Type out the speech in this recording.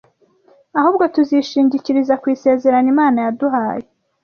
ahubwo tuzishingikiriza ku isezerano Imana yaduhaye